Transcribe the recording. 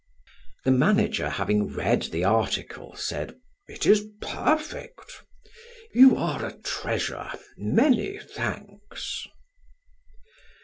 The manager having read the article said: "It is perfect; you are a treasure. Many thanks."